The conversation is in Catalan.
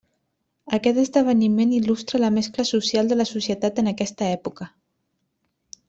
Aquest esdeveniment il·lustra la mescla social de la societat en aquesta època.